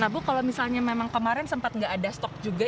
nah bu kalau misalnya memang kemarin sempat nggak ada stok juga